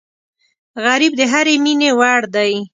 غریب د هرې مینې وړ دی